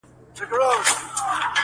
مستي مو توبې کړې تقدیرونو ته به څه وایو٫